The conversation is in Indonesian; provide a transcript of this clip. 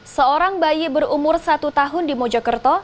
seorang bayi berumur satu tahun di mojokerto